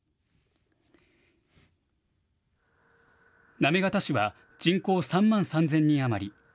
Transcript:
行方市は人口３万３０００人余り。